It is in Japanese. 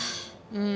うん。